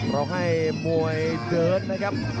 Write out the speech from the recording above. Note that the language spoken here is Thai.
เราให้มวยเดินนะครับ